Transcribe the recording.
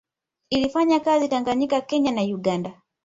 Ilifanya kazi Tanganyika Kenya na Uganda